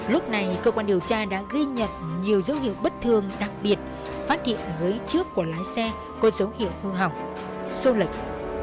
lúc này cơ quan điều tra đã ghi nhận nhiều dấu hiệu bất thường đặc biệt phát hiện gới trước của lái xe có dấu hiệu hư hỏng sô lệch